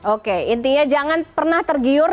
oke intinya jangan pernah tergiur